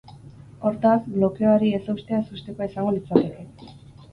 Hortaz, blokeoari ez eustea ezustekoa izango litzateke.